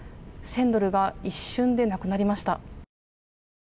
１０００ドルが一瞬でなくなりました。